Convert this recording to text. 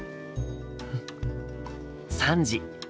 うん３時。